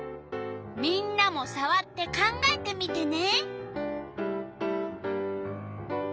みんなもさわって考えてみてね。